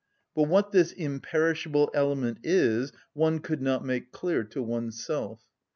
But what this imperishable element is one could not make clear to oneself.